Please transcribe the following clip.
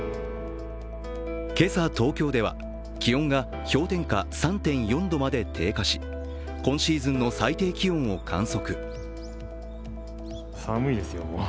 今朝、東京では気温が氷点下３．４度まで低下し今シーズンの最低気温を観測。